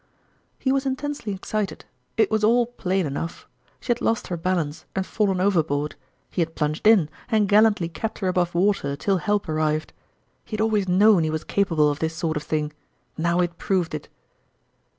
He was intensely excited ; it was all plain enough : she had lost her balance and fallen overboard ; he had plunged in, and gallantly kept her above water till help arrived. He had always known he was capable of this sort of thing ; now he had proved it.